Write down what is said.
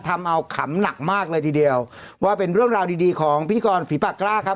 ทำเอาขำหนักมากเลยทีเดียวว่าเป็นเรื่องราวดีดีของพิธีกรฝีปากกล้าครับ